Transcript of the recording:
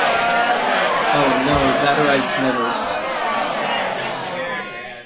Oh, no, that arrives never.